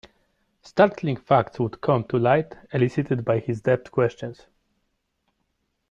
Startling facts would come to light elicited by his deft questions.